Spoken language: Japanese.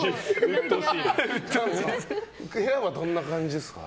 部屋はどんな感じですか？